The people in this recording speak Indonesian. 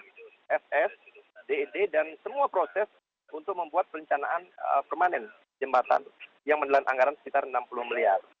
dss ded dan semua proses untuk membuat rencanaan permanen jembatan yang menilai anggaran sekitar rp enam puluh miliar